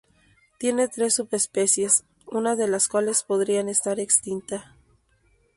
Tiene tres subespecies, una de las cuales podrían estar extinta.